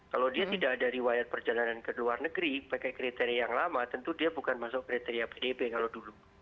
kalau dia tidak ada riwayat perjalanan ke luar negeri pakai kriteria yang lama tentu dia bukan masuk kriteria pdb kalau dulu